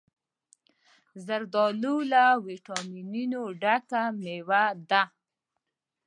زردالو له ویټامینونو ډکه مېوه ده.